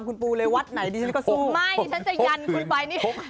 คุณปูอภาพไหนใช่ไหม